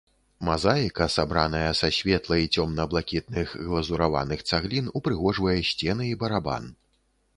Мазаіка, сабраная са светла- і цёмна- блакітных глазураваных цаглін, ўпрыгожвае сцены і барабан.